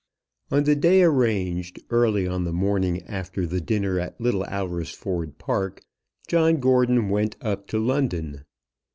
On the day arranged, early on the morning after the dinner at Little Alresford Park, John Gordon went up to London.